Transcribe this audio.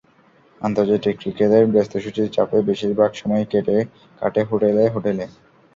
আন্তর্জাতিক ক্রিকেটের ব্যস্ত সূচির চাপে বেশির ভাগ সময়ই কাটে হোটেলে হোটেল।